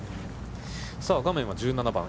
さあ、画面は１７番。